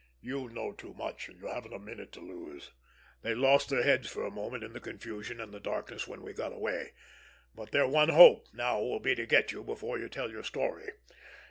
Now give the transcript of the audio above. "You know too much, and you haven't a minute to lose. They lost their heads for a moment in the confusion and the darkness when we got away, but their one hope now will be to get you before you tell your story.